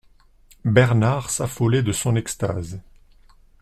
Bernard s'affolait de son extase.